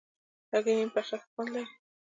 هګۍ نیم پخه ښه خوند لري.